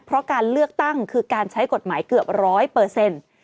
เพราะการเลือกตั้งคือการใช้กฎหมายเกือบร้อยเปอร์เซ็นต์